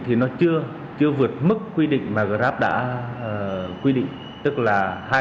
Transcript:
thì nó chưa vượt mức quy định mà grab đã quy định tức là hai mươi năm